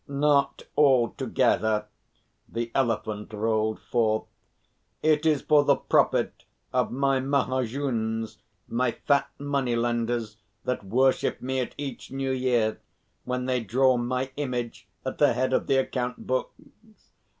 "Not altogether," the Elephant rolled forth. "It is for the profit of my mahajuns my fat money lenders that worship me at each new year, when they draw my image at the head of the account books.